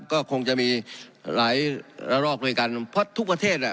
ก็คงจะมีหลายระลอกด้วยกันเพราะทุกประเทศอ่ะ